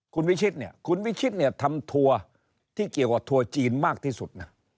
คุณวิชิตทำทัวร์ที่เกี่ยวกับทัวร์จีนมากที่สุด